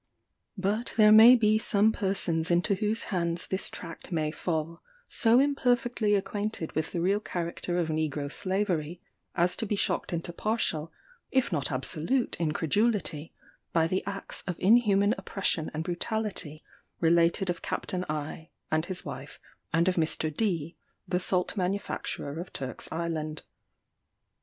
But there may be some persons into whose hands this tract may fall, so imperfectly acquainted with the real character of Negro Slavery, as to be shocked into partial, if not absolute incredulity, by the acts of inhuman oppression and brutality related of Capt. I and his wife, and of Mr. D , the salt manufacturer of Turk's Island.